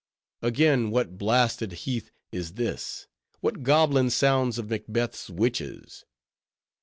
Again—what blasted heath is this?—what goblin sounds of Macbeth's witches?